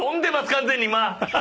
完全に今！